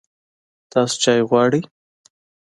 تاسو چای غواړئ؟